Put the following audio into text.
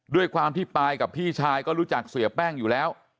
ด้วยความที่ปายกับพี่ชายก็รู้จักเสียแป้งอยู่แล้ว